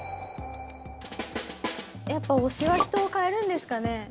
やっぱ推しは人を変えるんですかね。